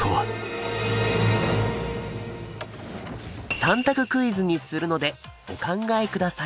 ３択クイズにするのでお考えください。